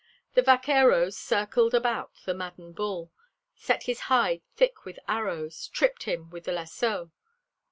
The vaqueros circled about the maddened bull, set his hide thick with arrows, tripped him with the lasso.